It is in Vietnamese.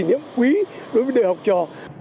điểm quý đối với đời học trò